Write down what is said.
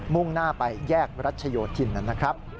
่งหน้าไปแยกรัชโยธินนะครับ